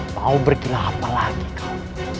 mau berkila apa lagi kau